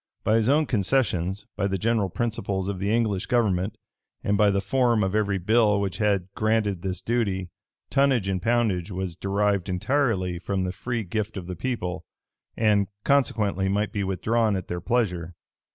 By his own concessions, by the general principles of the English government, and by the form of every bill which had granted this duty, tonnage and poundage was derived entirely from the free gift of the people; and, consequently, might be withdrawn at their pleasure.